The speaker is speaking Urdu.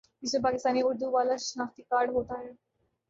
جس میں پاکستانی اردو والا شناختی کارڈ ہوتا ہے